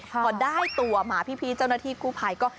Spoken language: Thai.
พอได้ตัวมาพี่เจ้าหน้าที่กู้ภัยก็